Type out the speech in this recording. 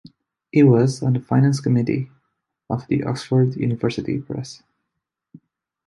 He was on the finance committee of the Oxford University Press.